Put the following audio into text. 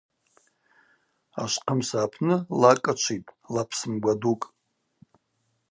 Ашвхъымса апны лакӏ йычвитӏ, лапс мгвадукӏ.